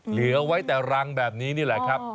เหลือไว้แต่รังแบบนี้นี่แหละครับ